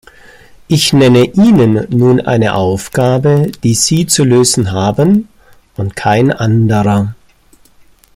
Ich nenne Ihnen nun eine Aufgabe, die Sie zu lösen haben und kein anderer.